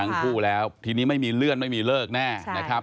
ทั้งคู่แล้วทีนี้ไม่มีเลื่อนไม่มีเลิกแน่นะครับ